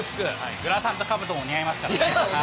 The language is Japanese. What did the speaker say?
グラサンとかぶとも似合いますからね。